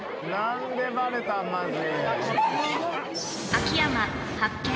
秋山発見。